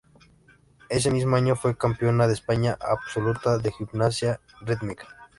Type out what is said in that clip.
Ese mismo año fue campeona de España absoluta de gimnasia rítmica.